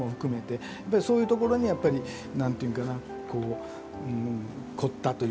そういうところにやっぱり何て言うんかなこう凝ったという。